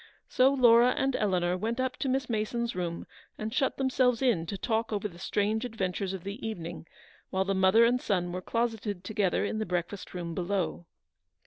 So Laura and Eleanor went up to Miss Mason's room and shut themselves in to talk over the strange adventures of the evening, while the mother and son were closeted together in the breakfast room below.